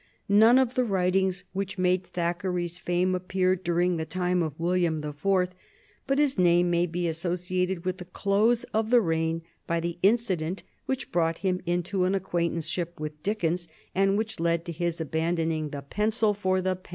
None of the writings which made Thackeray's fame appeared during the time of William the Fourth, but his name may be associated with the close of the reign by the incident which brought him into an acquaintanceship with Dickens, and which led to his abandoning the pencil for the pen.